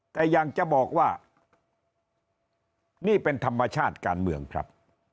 แต่อยากจะบอกว่านี่เป็นธรรมชาติการเมืองครับ